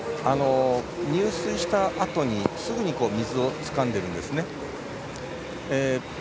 入水したあとすぐに水をつかんでいるんですね。